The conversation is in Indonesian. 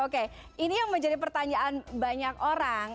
oke ini yang menjadi pertanyaan banyak orang